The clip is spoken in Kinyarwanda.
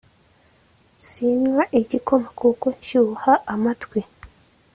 sinywa igikoma kuko shyuha amatwi